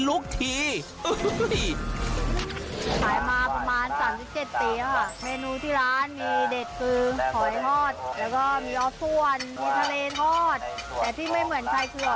เมนูที่ร้านมีเด็ดกื้อหอยฮอด